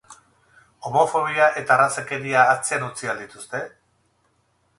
Homofobia eta arrazakeria atzean utzi al dituzte?